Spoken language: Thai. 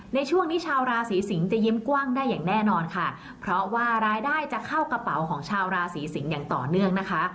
ในช่วงนี้ชาวราศีสิงศ์จะยิ้มกว้างได้อย่างแน่นอนค่ะเพราะว่ารายได้จะเข้ากระเป๋าของชาวราศีสิงศ์อย่างต่อเนื่องนะคะ